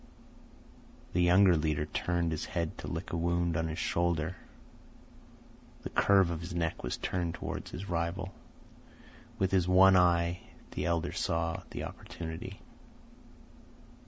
The younger leader turned his head to lick a wound on his shoulder. The curve of his neck was turned toward his rival. With his one eye the elder saw the opportunity.